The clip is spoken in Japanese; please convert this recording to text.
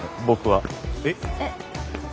僕は。えっ？